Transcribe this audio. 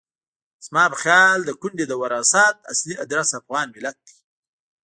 زما په خیال د کونډې د وراثت اصلي ادرس افغان ملت دی.